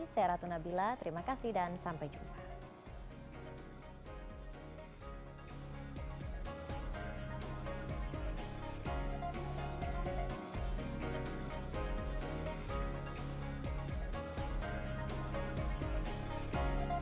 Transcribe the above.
saya ratu nabila terima kasih dan sampai jumpa